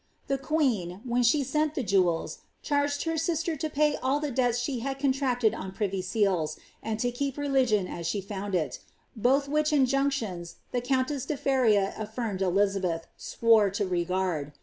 The queen, when she sent the jewels, charged her sister to pay all the debts she had contracted on privy seals, and to keep religion as she found it ; both which injunctions the countess de Feria affirmed Elizabeth swore to regard.